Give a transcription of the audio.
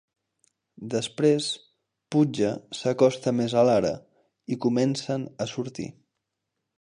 Després, Pudge s'acosta més a Lara i comencen a sortir.